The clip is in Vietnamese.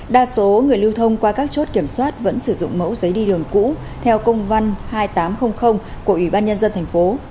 đa số người lưu thông qua các chốt kiểm soát vẫn sử dụng mẫu giấy đi đường cũ theo công văn hai nghìn tám trăm linh của ủy ban nhân dân thành phố